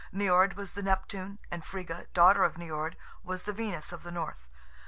Niord was the Neptune, and Frega, daughter of Niord, was the Venus of the North.